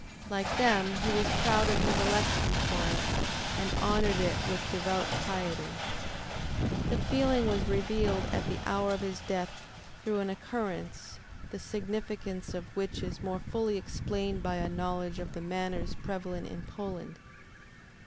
Like them he was proud of his election for it, and honored it with devout piety. This feeling was revealed at the hour of his death through an occurrence, the significance of which is more fully explained by a knowledge of the manners prevalent in Poland.